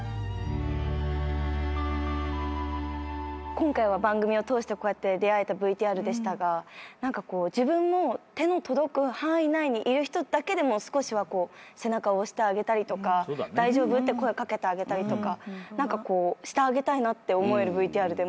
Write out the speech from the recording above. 今回は番組を通して出合えたＶＴＲでしたが自分も手の届く範囲内にいる人だけでも少しは背中を押してあげたりとか大丈夫って声を掛けてあげたりしてあげたいなと思えるＶＴＲ。